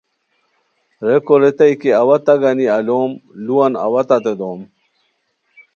ریکو ریتائے کی اوا تہ گانی الوم! لوان اوا تتے دوم